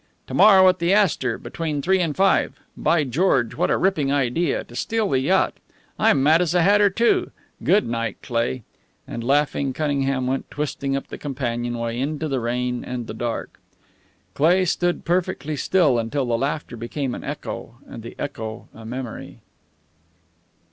"To morrow at the Astor, between three and five. By George, what a ripping idea to steal the yacht! I'm mad as a hatter, too. Good night, Cleigh." And laughing, Cunningham went twisting up the companionway, into the rain and the dark. Cleigh stood perfectly still until the laughter became an echo and the echo a memory.